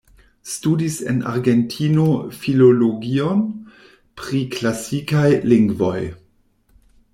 Studis en Argentino Filologion pri Klasikaj Lingvoj.